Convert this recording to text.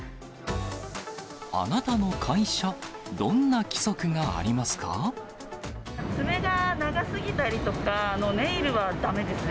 あなたの会社、どんな規則が爪が長すぎたりとか、ネイルはだめですね。